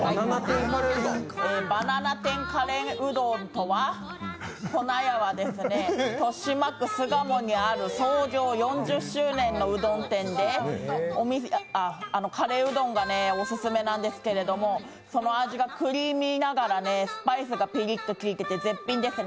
バナナ天カレーうどんとは古奈屋はですね、豊島区巣鴨にある創業４０周年のうどん店で、カレーうどんがオススメなんですけれども、その味がクリーミーながらスパイスがピリッときいていて絶品ですね。